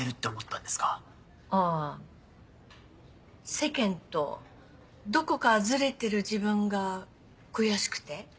世間とどこかズレてる自分が悔しくて。